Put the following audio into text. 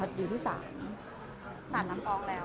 อเรนนี่มีหลังไม้ไม่มี